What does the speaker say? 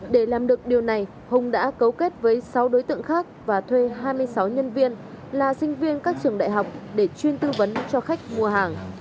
để làm được điều này hùng đã cấu kết với sáu đối tượng khác và thuê hai mươi sáu nhân viên là sinh viên các trường đại học để chuyên tư vấn cho khách mua hàng